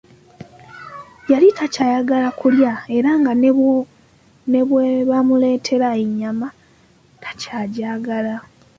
Yali takyayagala kulya era nga ne bwe bamuleetera ennyama takyajagala.